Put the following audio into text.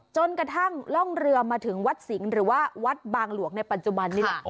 จนกระทั่งล่องเรือมาถึงวัดสิงห์หรือว่าวัดบางหลวงในปัจจุบันนี่แหละ